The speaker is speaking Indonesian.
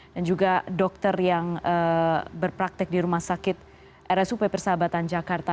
dan juga dokter yang berpraktek di rumah sakit rsup persahabatan jakarta